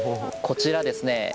こちらですね